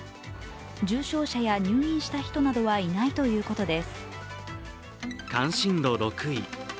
重症者や入院した人はいないということです。